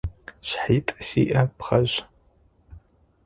Шъхьитӏу зиӏэ бгъэжъ.